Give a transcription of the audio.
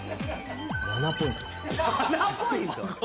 ７ポイント？